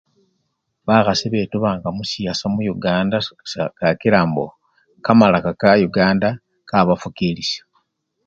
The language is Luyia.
Bakhasi betubanga misiyasa muyukanda sa! sa! kakila mbo kamalaka kayukanda kabafukilisya.